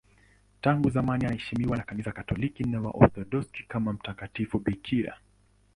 Tangu zamani anaheshimiwa na Kanisa Katoliki na Waorthodoksi kama mtakatifu bikira.